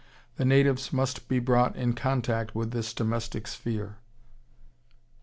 The natives must be brought in contact with this domestic sphere.